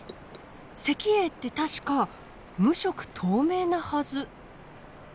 石英って確か無色透明なはず。